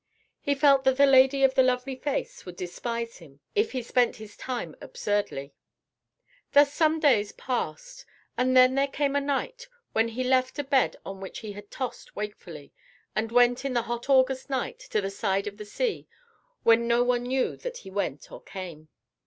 He felt that the lady of the lovely face would despise him if he spent his time absurdly. Thus some days passed; and then there came a night when he left a bed on which he had tossed wakefully, and went in the hot August night to the side of the sea when no one knew that he went or came.